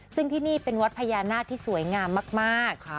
ซึ่งที่นี่เป็นวัดพญานาคที่สวยงามมาก